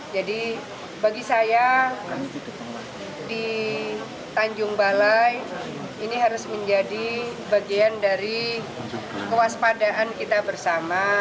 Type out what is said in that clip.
jadi bagi saya di tanjung balai ini harus menjadi bagian dari kewaspadaan kita bersama